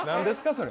それ」